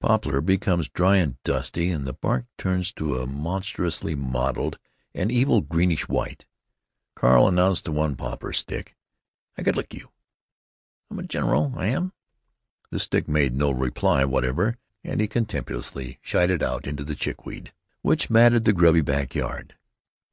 Poplar becomes dry and dusty, and the bark turns to a monstrously mottled and evil greenish white. Carl announced to one poplar stick, "I could lick you! I'm a gen'ral, I am." The stick made no reply whatever, and he contemptuously shied it out into the chickweed which matted the grubby back yard.